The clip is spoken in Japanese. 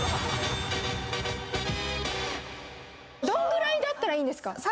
どんぐらいならいいんですか？